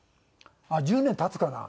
あっ１０年経つかな？